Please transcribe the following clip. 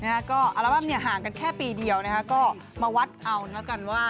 อะอาราบัมห่างกันแค่ปีเดียวนะฮะก็มาวัดเอานะคะ